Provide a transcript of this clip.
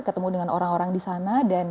ketemu dengan orang orang di sana dan